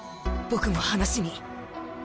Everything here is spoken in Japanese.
僕も話に。